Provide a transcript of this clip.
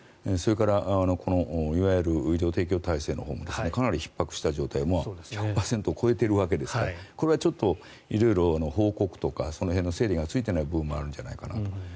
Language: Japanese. それからいわゆる医療提供体制のほうもかなりひっ迫した状態１００％を超えてるわけですからこれはちょっと色々報告とかその辺の整理がついていない部分もあるのではないかと。